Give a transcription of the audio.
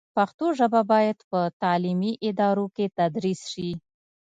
پښتو ژبه باید په تعلیمي ادارو کې تدریس شي.